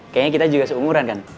kayaknya kita juga seumuran kan